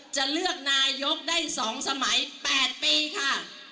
จะเลือกนายกได้๒สมัย๘ปีค่ะ